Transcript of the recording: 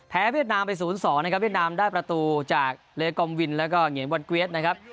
เวียดนามไป๐๒นะครับเวียดนามได้ประตูจากเลกอมวินแล้วก็เหงียนวันเกวียดนะครับ